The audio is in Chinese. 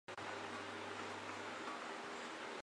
二十几万不用了